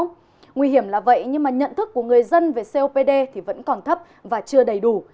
nguy hiểm là vậy nhưng nhận thức của người dân về copd vẫn còn thấp và chưa đầy đủ